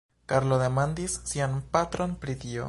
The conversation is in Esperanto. Karlo demandis sian patron pri tio.